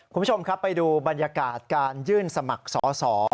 คุณผู้ชมครับไปดูบรรยากาศการยื่นสมัครสอสอ